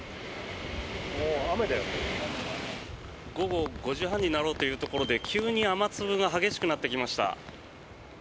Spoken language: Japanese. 午後５時半になろうというところで急に雨粒が激しくなってきました。